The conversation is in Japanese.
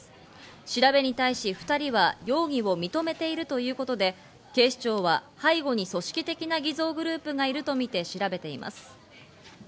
調べに対し２人は容疑を認めているということで警視庁は背後に組織的な偽造グループがいるとみて調べています。